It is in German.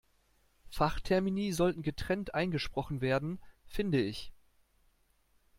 Fachtermini sollten getrennt eingesprochen werden, finde ich.